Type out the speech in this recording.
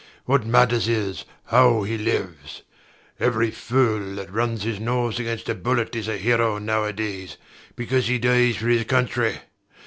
What matters is, how he lives. Every fool that runs his nose against a bullet is a hero nowadays, because he dies for his country.